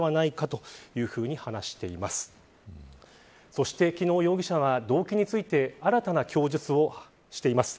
そして、昨日容疑者が動機について新たな供述をしています。